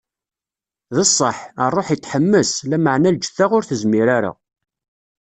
D ṣṣeḥḥ, Ṛṛuḥ itḥemmes, lameɛna lǧetta ur tezmir ara.